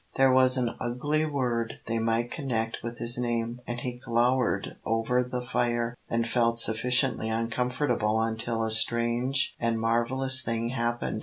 There was an ugly word they might connect with his name and he glowered over the fire, and felt sufficiently uncomfortable until a strange and marvellous thing happened.